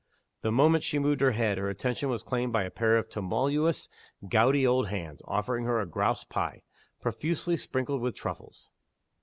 The moment she moved her head, her attention was claimed by a pair of tremulous gouty old hands, offering her a grouse pie, profusely sprinkled with truffles.